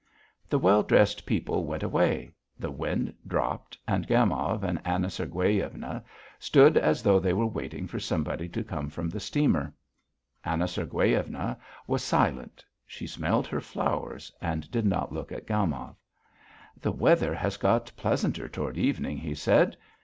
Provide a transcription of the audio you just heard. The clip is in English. The well dressed people went away, the wind dropped, and Gomov and Anna Sergueyevna stood as though they were waiting for somebody to come from the steamer. Anna Sergueyevna was silent. She smelled her flowers and did not look at Gomov. "The weather has got pleasanter toward evening," he said.